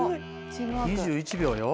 ２１秒よ。